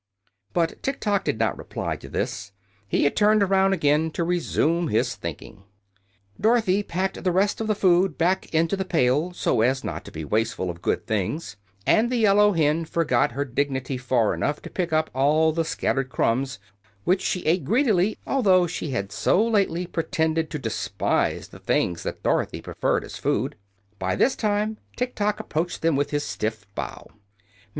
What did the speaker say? But Tiktok did not reply to this. He had turned around again to resume his thinking. Dorothy packed the rest of the food back into the pail, so as not to be wasteful of good things, and the yellow hen forgot her dignity far enough to pick up all of the scattered crumbs, which she ate rather greedily, although she had so lately pretended to despise the things that Dorothy preferred as food. By this time Tiktok approached them with his stiff bow.